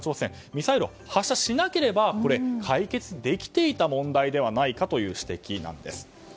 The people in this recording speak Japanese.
ミサイルを発射しなければ解決できていた問題ではないかという指摘なんです。